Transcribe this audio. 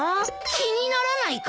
気にならないか？